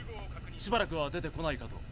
しばらくは出てこないかと。